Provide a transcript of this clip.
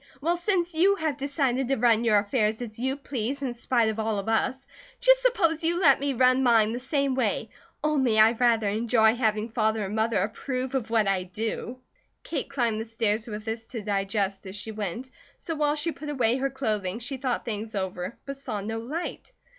Well, since you have decided to run your affairs as you please, in spite of all of us, just suppose you let me run mine the same way. Only, I rather enjoy having Father and Mother approve of what I do." Kate climbed the stairs with this to digest as she went; so while she put away her clothing she thought things over, but saw no light.